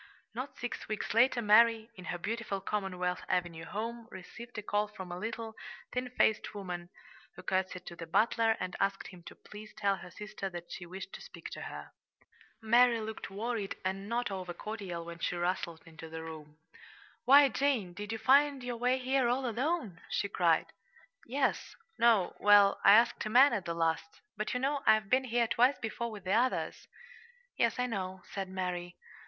Not six weeks later Mary, in her beautiful Commonwealth Avenue home, received a call from a little, thin faced woman, who curtsied to the butler and asked him to please tell her sister that she wished to speak to her. Mary looked worried and not over cordial when she rustled into the room. "Why, Jane, did you find your way here all alone?" she cried. "Yes no well, I asked a man at the last; but, you know, I've been here twice before with the others." "Yes, I know," said Mary.